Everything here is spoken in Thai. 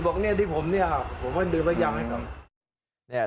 บอกนี่ที่ผมนี่ครับผมก็ดื่มไปให้ล่ะ